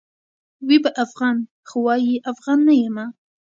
وي به افغان؛ خو وايي افغان نه یمه